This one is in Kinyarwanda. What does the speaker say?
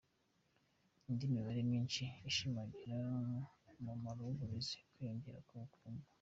Indi mibare myinshi ishimangira umumaro w’uburezi: Kwiyongera k’ubukungu.